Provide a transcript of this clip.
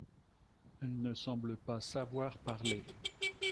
Elle ne semble pas savoir parler.